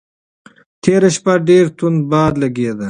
تېره شپه ډېر توند باد لګېده.